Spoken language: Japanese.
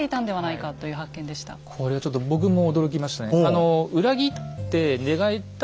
これはちょっと僕も驚きましたね。